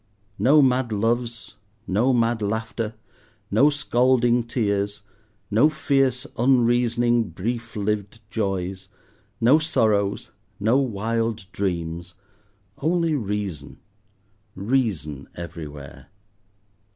No mad loves, no mad laughter, no scalding tears, no fierce unreasoning, brief lived joys, no sorrows, no wild dreams—only reason, reason everywhere.